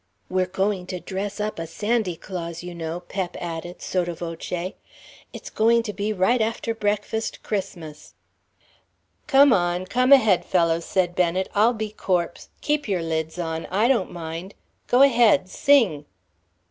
"We're goin' dress up a Sandy Claus, you know," Pep added, sotto voce. "It's going to be right after breakfast, Christmas." "Come on, come ahead, fellows," said Bennet; "I'll be corpse. Keep your lids on. I don't mind. Go ahead, sing."